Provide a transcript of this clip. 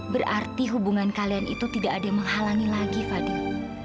berarti hubungan kalian itu tidak ada yang menghalangi lagi fadil